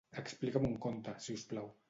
Explica'm un conte, si us plau.